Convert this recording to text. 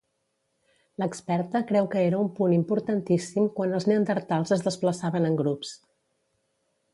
L'experta creu que era un punt importantíssim quan els neandertals es desplaçaven en grups.